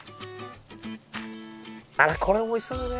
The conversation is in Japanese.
これもおいしそうだね。